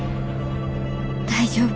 大丈夫。